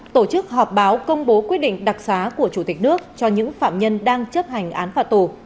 tổ chức họp báo công bố quyết định đặc xá của chủ tịch nước cho những phạm nhân đang chấp hành án phạt tù